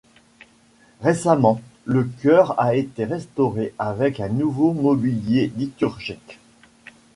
Récemment, le chœur a été restauré avec un nouveau mobilier liturgique.